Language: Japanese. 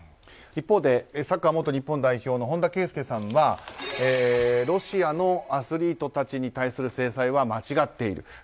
一方でサッカー元日本代表の本田圭佑さんはロシアのアスリートたちに対する制裁は間違っている。